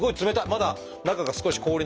まだ中が少し氷の。